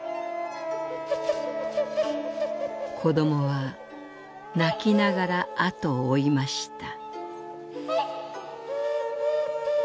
「子どもは泣きながら後を追いました」。